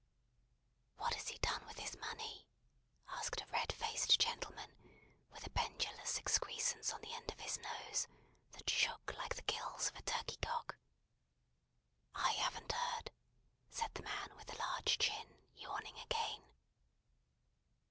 "What has he done with his money?" asked a red faced gentleman with a pendulous excrescence on the end of his nose, that shook like the gills of a turkey cock. "I haven't heard," said the man with the large chin, yawning again.